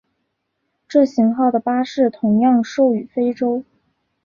这型号的巴士同样售予非洲。